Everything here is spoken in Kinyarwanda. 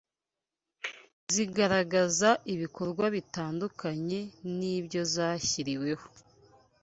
zigaragaza ibikorwa bitandukanye n’ibyo zashyiriweho